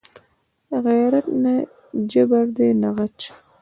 غیرت نه جبر دی نه غچ